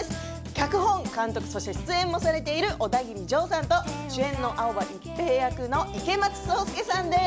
脚本・監督そして出演もされているオダギリジョーさんと主演の青葉一平役の池松壮亮さんです。